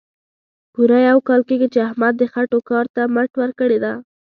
پوره یو کال کېږي، چې احمد د خټو کار ته مټ ورکړې ده.